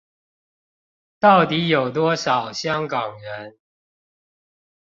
到底有多少香港人？